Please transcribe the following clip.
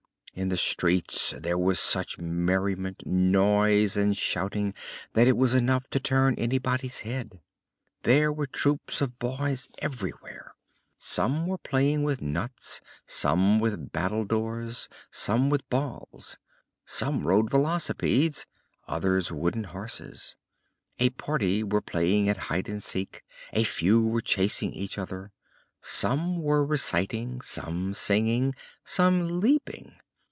In the streets there was such merriment, noise and shouting that it was enough to turn anybody's head. There were troops of boys everywhere. Some were playing with nuts, some with battledores, some with balls. Some rode velocipedes, others wooden horses. A party were playing at hide and seek, a few were chasing each other. Some were reciting, some singing, some leaping.